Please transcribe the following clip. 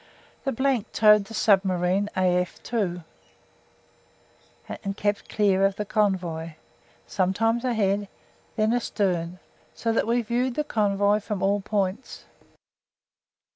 The towed the submarine AE2, and kept clear of the convoy, sometimes ahead, then astern, so that we viewed the convoy from all points.